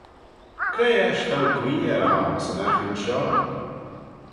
Cre eisht t'ou guee er y hon 'syn aghin shoh?